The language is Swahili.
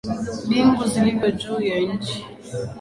Mbingu zilivyo juu ya nchi.